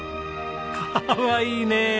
かわいいね。